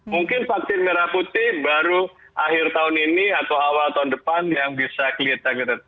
mungkin vaksin merah putih baru akhir tahun ini atau awal tahun depan yang bisa cleated